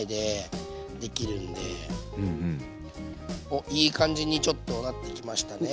おっいい感じにちょっとなってきましたね。